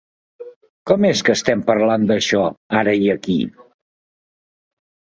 Com és que estem parlant d'això, ara i aquí?